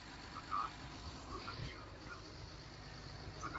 یہ سڑک airport کو جاتی ہے